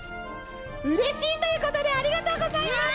うれしいということでありがとうございます！